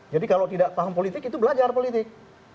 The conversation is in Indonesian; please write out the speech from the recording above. jadi kalau tidak paham politik itu belajar politik